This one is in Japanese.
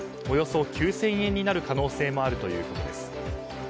およそ９０００円になる可能性があるということです。